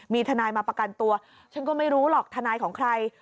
มีทนายมาประกันตัวฉันก็ไม่รู้หรอกทนายของใคร